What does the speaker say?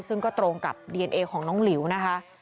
ซึ่งก็ตรงกับดีเอนเอของน้องหลิวนะคะ